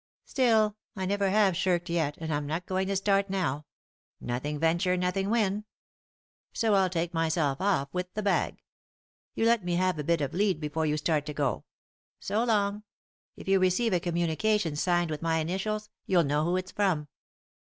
Still, I never have shirked yet, and I'm not going to start now — nothing venture nothing win. So I'll take myself off, with the bag ; you let me have a bit of a lead before you start to go. So long 1 If you receive a communi cation signed with my initials you'll know who it's from."